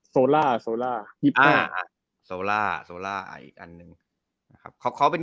โซล่าโซล่าโซล่าโทรโซล่าอ่ะอีกอันนึงครับเขาเขาเป็น